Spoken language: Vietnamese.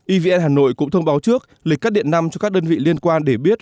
evn hà nội cũng thông báo trước lịch cắt điện năm cho các đơn vị liên quan để biết